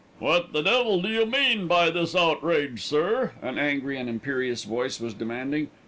"What the devil do you mean by this outrage, sir?" an angry and imperious voice was demanding.